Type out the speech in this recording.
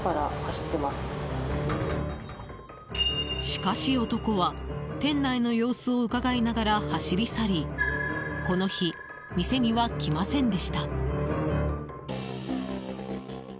しかし、男は店内の様子をうかがいながら走り去りこの日、店には来ませんでした。